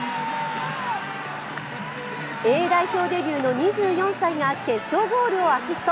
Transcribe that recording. Ａ代表デビューの２４歳が決勝ゴールをアシスト。